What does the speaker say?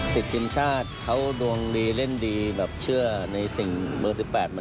ติดทีมชาติเขาดวงดีเล่นดีแบบเชื่อในสิ่งเบอร์๑๘